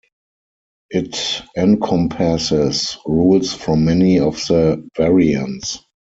It encompasses rules from many of the variants.